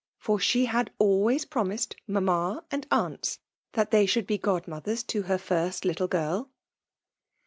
For she had always promised ''mamma and aunts" that they should be godmothers to her first little girl.